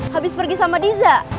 habis pergi sama diza